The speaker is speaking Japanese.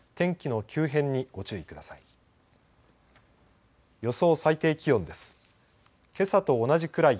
天気の急変にご注意ください。